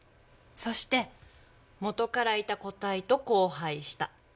そして元からいた個体と交配した。